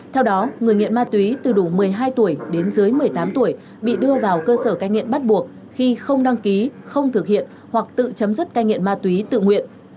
theo đó người nghiện ma túy từ đủ một mươi hai tuổi đến dưới một mươi tám tuổi bị đưa vào cơ sở cai nghiện bắt buộc khi không đăng ký không thực hiện hoặc tự chấm dứt cai nghiện ma túy tự nguyện